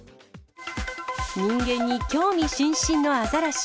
人間に興味津々のアザラシ。